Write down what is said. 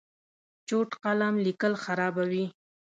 چوټ قلم لیکل خرابوي.